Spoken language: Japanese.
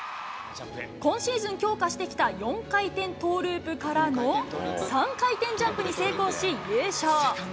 今シーズン強化してきた４回転トーループからの３回転ジャンプに成功し、優勝。